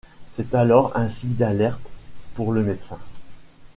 C'est alors un signe d'alerte pour le médecin.